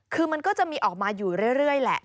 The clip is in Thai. คือมันก็จะมีออกมาอยู่เรื่อยแหละ